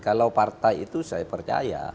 kalau partai itu saya percaya